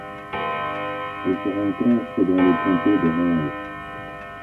Elle se rencontre dans le comté d'Orange.